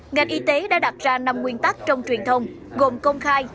ngành y tế đã đặt ra năm nguyên tắc trong truyền thông gồm công khai